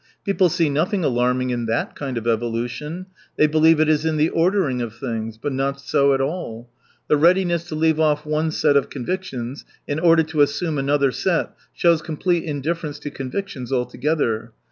People see nothing alarming in that kind of " evolu tion." They believe it is in the ordering of things. But not so at all ! The readiness to leave off one set of convictions in order to assume another set shows complete indifference to convictions altogether.